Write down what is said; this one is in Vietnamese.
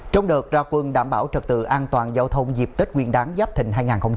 trong đợt ra quân đảm bảo trật tự an toàn giao thông dịp tết nguyên đáng giáp thình hai nghìn hai mươi bốn